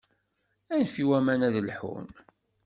Anef i waman ad lḥun.